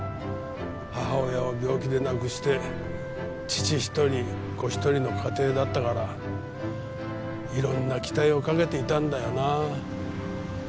母親を病気で亡くして父１人子１人の家庭だったから色んな期待をかけていたんだよなあ。